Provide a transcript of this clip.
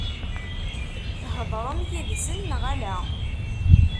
Theḍṛem yid-sen neɣ ala?